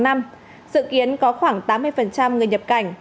từ ngày hai mươi bốn tháng năm dự kiến có khoảng tám mươi người nhập cành